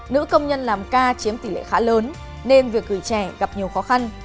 nữ công nhân làm ca chiếm tỷ lệ khá lớn nên việc gửi trẻ gặp nhiều khó khăn